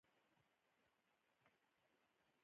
لاسونه شکلونه جوړوي